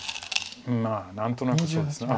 まあ何となくそうですね。